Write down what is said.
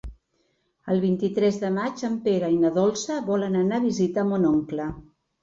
El vint-i-tres de maig en Pere i na Dolça volen anar a visitar mon oncle.